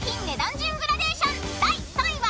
［第３位は］